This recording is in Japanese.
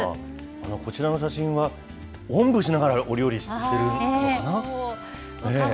こちらの写真は、おんぶしながらお料理してるのかな。